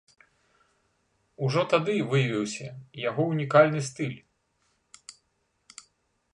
Ужо тады выявіўся яго унікальны стыль.